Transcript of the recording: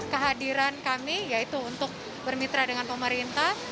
kehadiran kami yaitu untuk bermitra dengan pemerintah